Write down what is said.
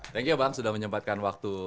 thank you bang sudah menyempatkan waktu